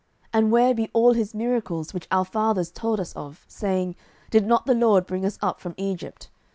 and where be all his miracles which our fathers told us of, saying, Did not the LORD bring us up from Egypt?